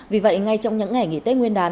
vì vậy ngay trong những ngày nghỉ tết nguyên đán